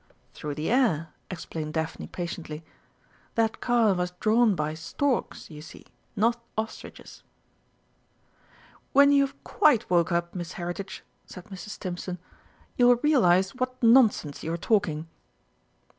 "Through the air," explained Daphne patiently. "That car was drawn by storks, you see not ostriches." "When you have quite woke up, Miss Heritage," said Mrs. Stimpson, "you will realise what nonsense you are talking."